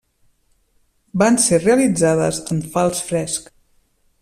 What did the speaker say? Van ser realitzades en fals fresc.